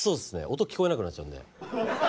音聞こえなくなっちゃうんで。